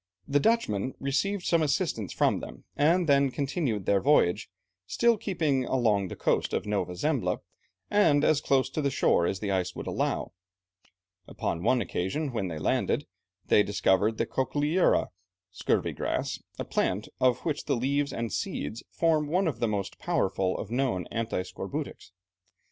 The Dutchmen received some assistance from them, and then continued their voyage, still keeping along the coast of Nova Zembla, and as close in shore as the ice would allow. Upon one occasion when they landed, they discovered the cochlearia (scurvy grass), a plant of which the leaves and seeds form one of the most powerful of known anti scorbutics.